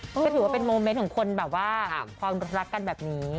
ก็ถือว่าเป็นโมเมนต์ของคนแบบว่าความรักกันแบบนี้